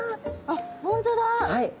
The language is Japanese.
あっ本当だ。